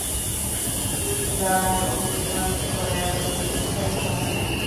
গিরিবালার অভিমান তো এতদিন স্থায়ী হয় না।